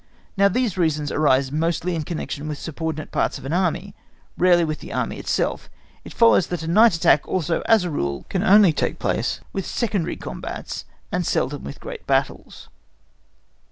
Now these reasons arise mostly in connection with subordinate parts of an Army, rarely with the Army itself; it follows that a night attack also as a rule can only take place with secondary combats, and seldom with great battles.